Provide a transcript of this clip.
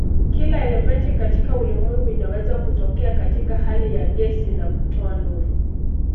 Kila elementi katika ulimwengu inaweza kutokea katika hali ya gesi na kutoa nuru.